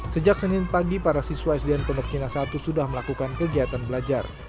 sejak senin pagi para siswa sdn pondok cina satu sudah melakukan kegiatan belajar